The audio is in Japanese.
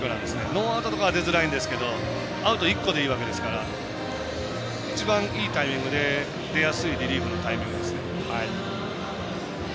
ノーアウトとかは出づらいんですけどアウト１個でいいわけですから一番いいタイミングで出やすいリリーフのタイミングですね。